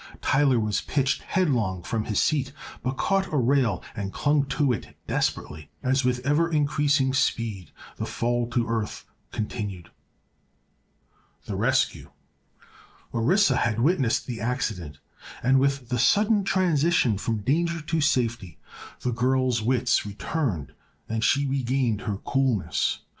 Tyler was pitched headlong from his seat, but caught a rail and clung to it desperately as with ever increasing speed the fall to earth continued. [Illustration: THE RESCUE.] Orissa had witnessed the accident and with the sudden transition from danger to safety the girl's wits returned and she regained her coolness.